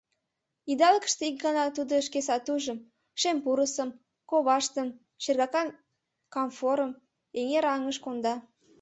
Идалыкыште ик гана тудо шке сатужым: шем пурысым, коваштым, шергакан камфорым эҥер аҥыш конда.